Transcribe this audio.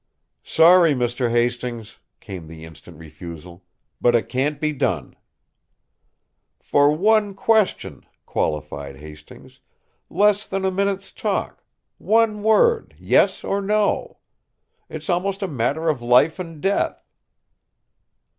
"Sorry, Mr. Hastings," came the instant refusal; "but it can't be done." "For one question," qualified Hastings; "less than a minute's talk one word, 'yes' or 'no'? It's almost a matter of life and death."